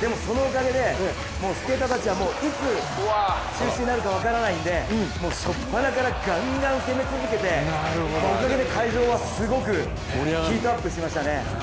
でもそのおかげでスケーターたちはいつ中止になるか分からないのでしょっぱなからガンガン攻め続けて、おかげで会場はすごくヒートアップしましたね。